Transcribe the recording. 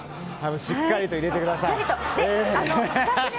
しっかりと入れてください。